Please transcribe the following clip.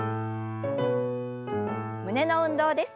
胸の運動です。